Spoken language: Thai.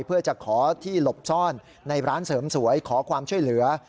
เพื่อจะขอที่หลบซ่อนในร้านเสริมสวยขอความช่วยเหลือ